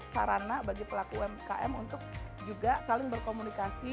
sarana bagi pelaku umkm untuk juga saling berkomunikasi